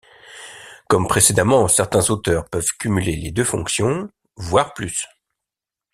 Comme précédemment, certains auteurs peuvent cumuler les deux fonctions, voire plus.